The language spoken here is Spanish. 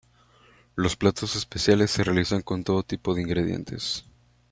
Los platos especiales se realizan con todo tipo de ingredientes.